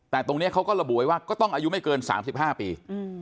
แต่ตรงนี้เขาก็ระบุไว้ว่าก็ต้องอายุไม่เกิน๓๕ปี